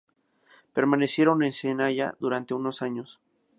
Permanecieron en Cayena durante unos años.